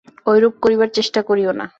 ঐরূপ করিবার চেষ্টা করিও না।